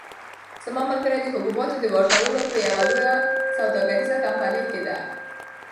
زما ملګری د حبوباتو د واردولو په یوه لویه سوداګریزه کمپنۍ کې دی.